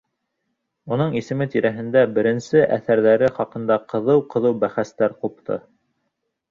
Уның исеме тирәһендә, беренсе әҫәрҙәре хаҡында ҡыҙыу-ҡыҙыу бәхәстәр ҡупты.